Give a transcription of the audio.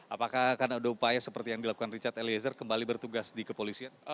apakah karena ada upaya seperti yang dilakukan richard eliezer kembali bertugas di kepolisian